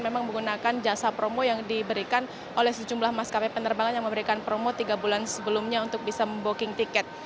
memang menggunakan jasa promo yang diberikan oleh sejumlah maskapai penerbangan yang memberikan promo tiga bulan sebelumnya untuk bisa memboking tiket